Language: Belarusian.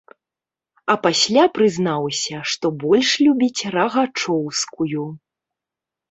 А пасля прызнаўся, што больш любіць рагачоўскую.